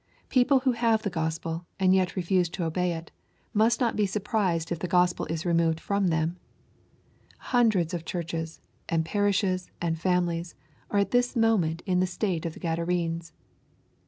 People who have the Gospel, and yet refuse to obey it, must not be surprised if the Gospel is removed fix>m them. Hundreds of churches, and parishes, and families, are at this moment in the state of the Gadarenes.